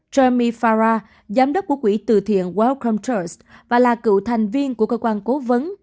jeremy farrar giám đốc của quỹ từ thiện wellcome trust và là cựu thành viên của cơ quan cố vấn